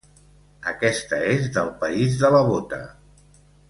Aquesta és del país de la bota.